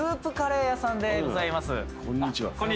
こんにちは。